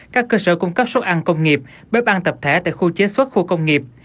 các cơ sở cung cấp suất ăn công nghiệp bếp ăn tập thể tại khu chế xuất khu công nghiệp